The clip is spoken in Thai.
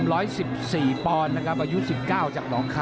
กระหน่าที่น้ำเงินก็มีเสียเอ็นจากอุบลนะครับ